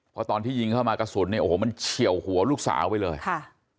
เพราะตอนที่ยิงเข้ามากระสุนเนี่ยโอ้โหมันเฉียวหัวลูกสาวไปเลยค่ะ